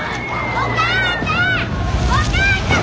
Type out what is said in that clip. お母ちゃん！